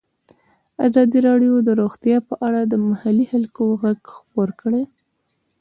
ازادي راډیو د روغتیا په اړه د محلي خلکو غږ خپور کړی.